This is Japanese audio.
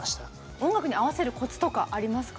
音楽に合わせるコツとかありますか？